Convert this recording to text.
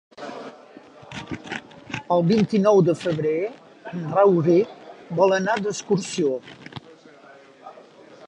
El vint-i-nou de febrer en Rauric vol anar d'excursió.